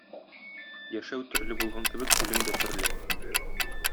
Яшәү төрле булган кебек үлем дә төрле.